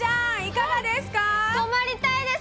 泊まりたいです。